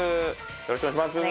よろしくお願いします。